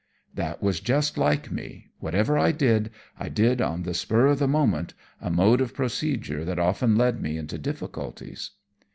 That was just like me. Whatever I did, I did on the spur of the moment, a mode of procedure that often led me into difficulties.